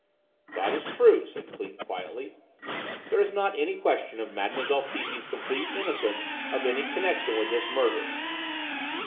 "That is true," said Cleek quietly. "There is not any question of Mademoiselle Fifi's complete innocence of any connection with this murder."